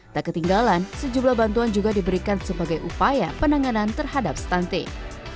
tak ketinggalan sejumlah bantuan juga diberikan sebagai upaya penanganan terhadap stunting